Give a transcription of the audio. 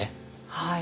はい。